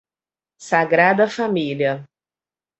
Sagrada Família